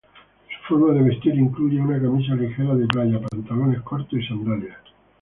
Su forma de vestir incluye una camisa ligera de playa, pantalones cortos y sandalias.